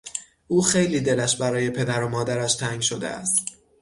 او خیلی دلش برای پدر و مادرش تنگ شده است.